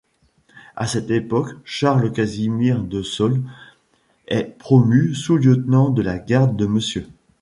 À cette époque, Charles-Casimir de Saulx est promu sous-lieutenant de la Garde de Monsieur.